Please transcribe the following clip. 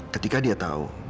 ketika dia tahu